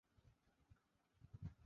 সব গুলো কুলুঙ্গি ফাঁকা।